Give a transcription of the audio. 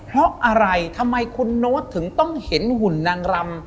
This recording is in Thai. เพราะอะไรทำไมคุณโน้ตถึงต้องเห็นหุ่นนางรำ